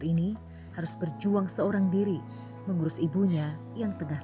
ia harus bekerja dan menjadi tulang punggung keluarga